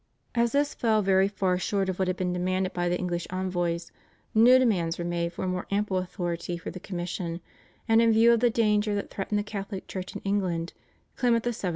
As this fell very far short of what had been demanded by the English envoys, new demands were made for a more ample authority for the commission, and in view of the danger that threatened the Catholic Church in England, Clement VII.